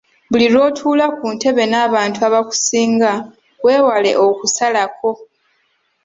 Buli lw’otuula ku ntebe n’abantu abakusinga weewale “okusalako”.